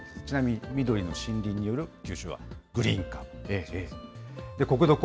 ちなみに、緑の森林による吸収はグリーンカーボン。